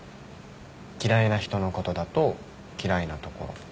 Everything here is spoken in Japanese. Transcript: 嫌いな人のことだと嫌いなところ。